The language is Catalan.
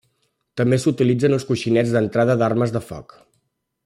També s'utilitza en els coixinets d'entrada d'armes de foc.